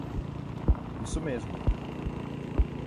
Isso mesmo!